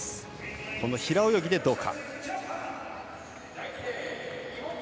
この平泳ぎでどうか。